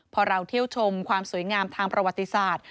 พอเราเที่ยวชมความสวยงามทางประวัติศาสตร์